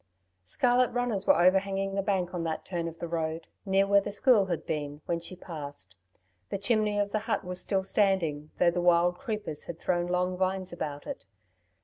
Scarlet runners were overhanging the bank on that turn of the road, near where the school had been, when she passed. The chimney of the hut was still standing, though the wild creepers had thrown long vines about it.